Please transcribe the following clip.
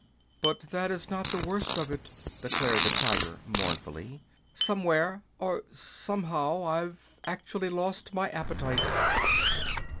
"But that is not the worst of it," declared the Tiger, mournfully. "Somewhere or somehow, I've actually lost my appetite!"